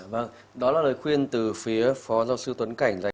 vâng đó là lời khuyên từ phía phó giáo sư tuấn cảnh